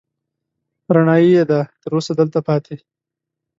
رڼايي يې ده، تر اوسه دلته پاتې